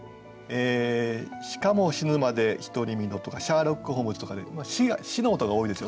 しかも死ぬまで獨身の」とか「シャーロック・ホームズ」とかで「し」の音が多いですよね。